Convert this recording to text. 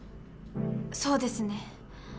そうですね。